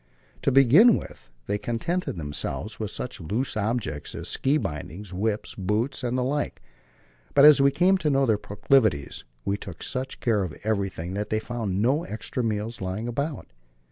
To begin with they contented themselves with such loose objects as ski bindings, whips, boots, and the like; but as we came to know their proclivities, we took such care of everything that they found no extra meals lying about.